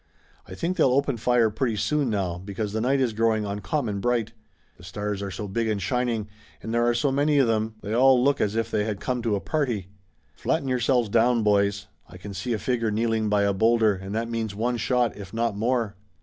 I think they'll open fire pretty soon now, because the night is growing uncommon bright. The stars are so big and shining, and there are so many of them they all look as if they had come to a party. Flatten yourselves down, boys! I can see a figure kneeling by a bowlder and that means one shot, if not more."